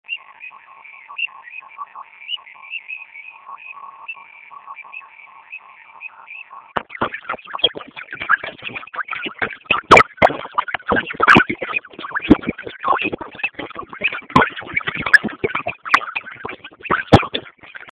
Ziara yake inajiri wiki mbili baada ya shirika la " Waangalizi wa Haki za Binadamu' kutoa ripoti ikisema kuwa serikali inatumia vituo vya siri.